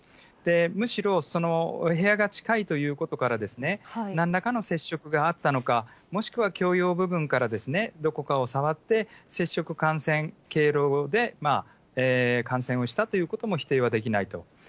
むしろそのお部屋が近いということから、なんらかの接触があったのか、もしくは共用部分から、どこかを触って、接触感染経路で感染をしたということも否定はできないと。